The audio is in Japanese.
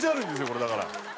これだから。